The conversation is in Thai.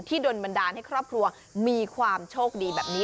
โดนบันดาลให้ครอบครัวมีความโชคดีแบบนี้